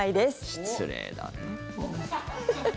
失礼だね。